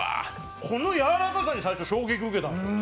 このやわらかさに最初衝撃受けたんです。